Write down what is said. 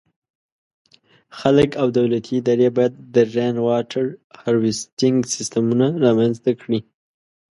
خلک او دولتي ادارې باید د “Rainwater Harvesting” سیسټمونه رامنځته کړي.